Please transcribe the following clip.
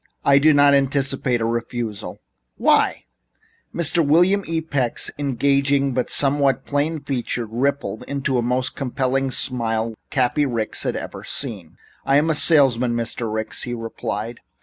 I do not anticipate a refusal." "Why?" Mr. William E. Peck's engaging but somewhat plain features rippled into the most compelling smile Cappy Ricks had ever seen. "I am a salesman, Mr. Ricks," he replied.